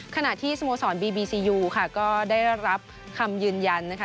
ขณะที่สโมสรบีบีซียูค่ะก็ได้รับคำยืนยันนะคะ